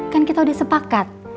kan kita udah sepakat